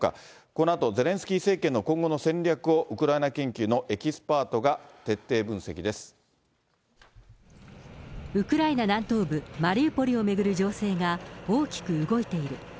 このあと、ゼレンスキー政権の今後の戦略をウクライナ研究のエキスパートがウクライナ南東部、マリウポリを巡る情勢が大きく動いている。